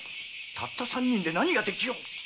たった三人で何ができよう！